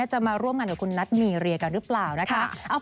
จะมาร่วมงานกับคุณนัทมีเรียกันหรือเปล่านะคะ